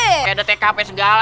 kayak ada tkp segala